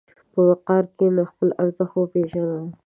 په وقار کښېنه، خپل ارزښت وپېژنه.